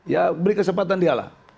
ya beri kesempatan dialah